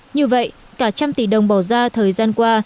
như vậy cả trăm tỷ đồng bỏ ra thời gian qua